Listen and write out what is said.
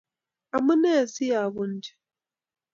Amunee asi abun chu?